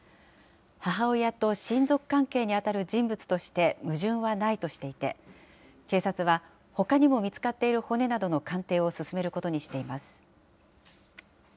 母親と親族関係に当たる人物として矛盾はないとしていて、警察は、ほかにも見つかっている骨などの鑑定を進めることにしています。